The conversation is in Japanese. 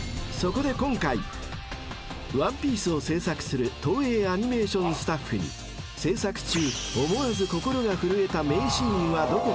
［『ワンピース』を制作する東映アニメーションスタッフに「制作中思わず心が震えた名シーンはどこか？」